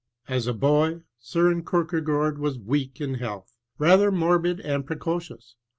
As a boy, S^ren Kierkegaard was weak in health, rather morbid and precocious.